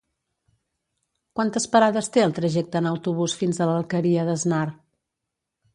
Quantes parades té el trajecte en autobús fins a l'Alqueria d'Asnar?